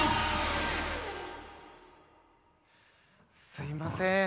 すいません。